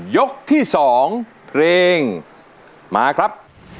ยกที่๒เพลงมาครับ